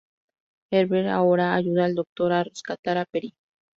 Herbert ahora ayuda al Doctor a rescatar a Peri.